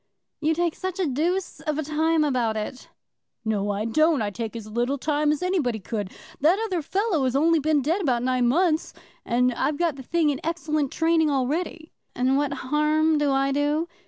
"You take such a deuce of a time about it." "No, I don't. I take as little time as anybody could. That other fellow has only been dead about nine months, and I've got the thing in excellent training already." "And what harm do I do?"